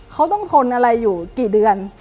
เขาต้องทนอะไรอยู่กี่เดือน